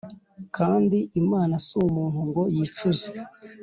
kandi imana si umuntu ngo yicuze